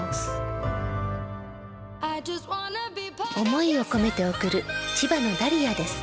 思いを込めて贈る千葉のダリアです。